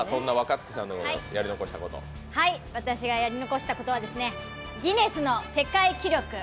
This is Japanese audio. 私がやり残したことはギネス世界記録。